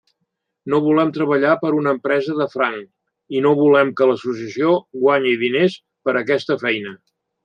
No volem treballar per a una empresa de franc i no volem que l'associació guanyi diners per aquesta feina.